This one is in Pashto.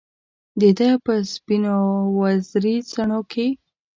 دده په سپینواوزري څڼوکې